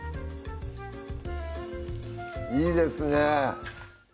いいですね